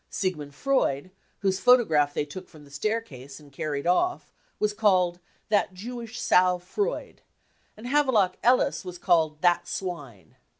Siegmund Freud, whose'^photograph they took from the staircase and carried off, was called 4 that Jewish sow Freud '; and Havelock Ellis was called e that swine.